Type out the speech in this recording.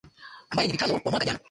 ambaye ni vitalo wa mwaka jana